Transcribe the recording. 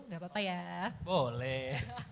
gak apa apa ya boleh